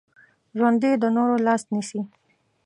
ژوندي د نورو لاس نیسي